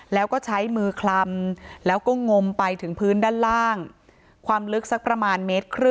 แล้วก็ใช้มือคลำแล้วก็งมไปถึงพื้นด้านล่างความลึกสักประมาณเมตรครึ่ง